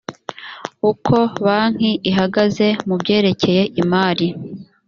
uko banki ihagaze mu byerekeye imari